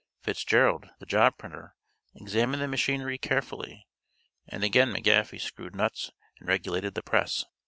Fitzgerald, the job printer, examined the machinery carefully and again McGaffey screwed nuts and regulated the press.